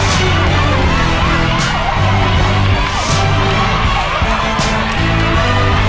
นี่ข้าวเจ๋อไวอ่ะ